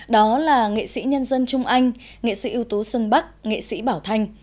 đó là nghệ sĩ nhân dân trung anh nghệ sĩ ưu tú xuân bắc nghệ sĩ bảo thanh